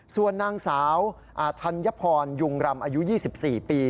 ส่วนนางสาวอาธัญพรยุงรำอายุ๒๔ปี